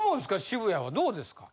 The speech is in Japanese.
渋谷はどうですか？